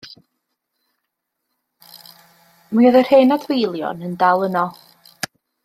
Mi oedd yr hen adfeilion yn dal yno.